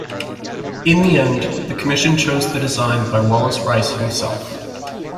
In the end, the commission chose the design by Wallace Rice himself.